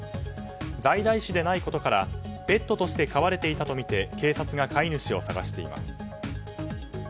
在来種でないことからペットとして飼われていたとみて警察が飼い主を探しています。